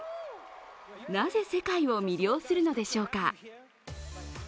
なぜ世界を魅了するのでしょうか。